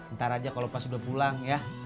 ntar aja kalau pas udah pulang ya